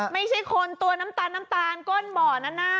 ไม่ใช่คนตัวน้ำตาลน้ำตาลก้นบ่อนั้นนะ